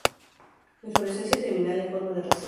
Inflorescencia terminal en forma de racimo.